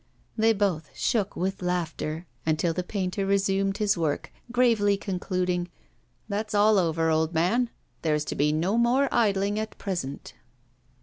They both shook with laughter, until the painter resumed his work, gravely concluding, 'That's all over, old man. There is to be no more idling at present.